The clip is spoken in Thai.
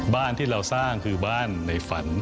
บ้านที่เราสร้างคือบ้านในฝัน